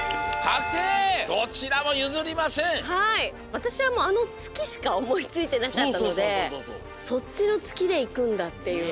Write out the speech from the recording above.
わたしはもうあのつきしかおもいついてなかったのでそっちのつきでいくんだっていう。